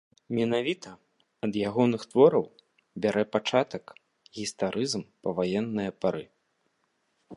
Менавіта ад ягоных твораў бярэ пачатак гістарызм паваеннае пары.